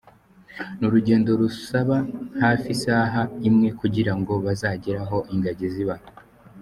Ni urugendo rusaha hafi isaha imwe kugira ngo bagera aho ingagi ziba.